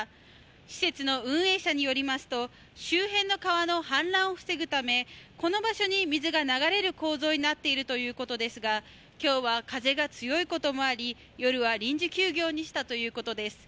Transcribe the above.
施設の運営者によりますと周辺の川の氾濫を防ぐためこの場所に水が流れる構造になっているということですが今日は風が強いこともあり、夜は臨時休業にしたということです。